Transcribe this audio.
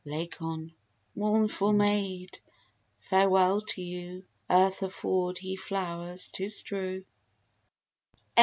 LACON Mournful maid, farewell to you; Earth afford ye flowers to strew! 37.